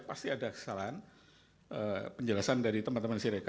pasti ada kesalahan penjelasan dari teman teman sireka